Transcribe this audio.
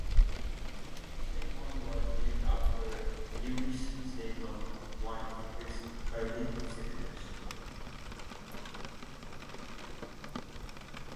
Cleghorn was named after Lewis Cleghorn, one of its early settlers.